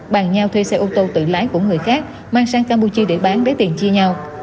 bàn nhau thuê xe ô tô tự lái của người khác mang sang campuchia để bán lấy tiền chia nhau